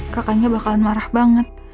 kakaknya bakalan marah banget